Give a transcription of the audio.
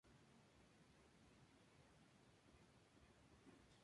Pasó sus primeros años de vida en St.